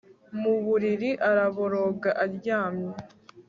mu buriri araboroga aryamye